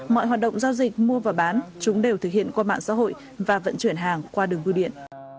mọi hoạt động giao dịch mua và bán chúng đều thực hiện qua mạng xã hội và vận chuyển hàng qua đường bưu điện